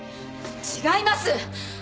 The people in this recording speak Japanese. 違います！